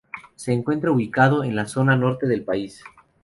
Se encuentra ubicado en la zona norte del país.